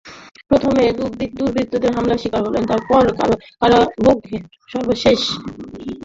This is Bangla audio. প্রথমে দুর্বৃত্তদের হামলার শিকার হলেন, এরপর কারাভোগ, সবশেষে ফিরে আসতে হলো দেশে।